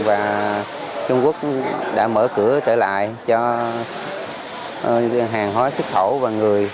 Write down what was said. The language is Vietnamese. và trung quốc đã mở cửa trở lại cho hàng hóa xuất khẩu và người